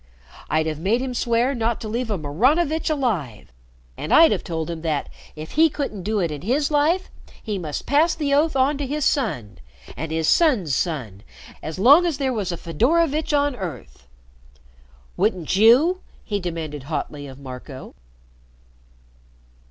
I'd have made him swear not to leave a Maranovitch alive. And I'd have told him that, if he couldn't do it in his life, he must pass the oath on to his son and his son's son, as long as there was a Fedorovitch on earth. Wouldn't you?" he demanded hotly of Marco.